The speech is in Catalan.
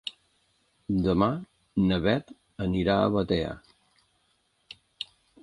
Demà na Beth anirà a Batea.